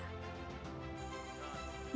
terbesar di dunia